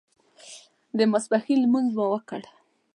د ماسپښین لمونځ مو وکړ.